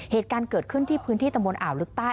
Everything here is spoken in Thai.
เหตุการณ์เกิดขึ้นที่พื้นที่ตำบลอ่าวลึกใต้